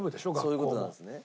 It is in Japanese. そういう事なんですね。